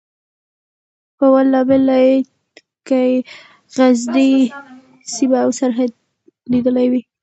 په والله بالله که یې غزنۍ سیمه او سرحد لیدلی وي.